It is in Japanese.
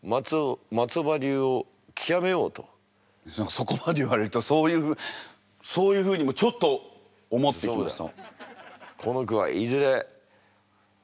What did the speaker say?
そこまで言われるとそういうふうにもちょっと思ってきました。